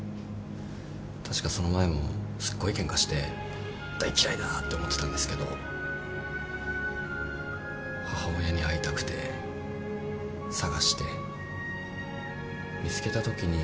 確かその前もすっごいケンカして大嫌いだって思ってたんですけど母親に会いたくて捜して見つけたときに。